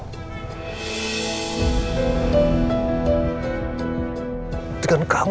kamu mikir soal kandungan kamu